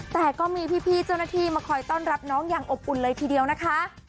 แต่ก็มีพี่เจ้าหน้าที่มาคอยต้อนรับน้องอย่างอบอุ่นเลยทีเดียวนะคะ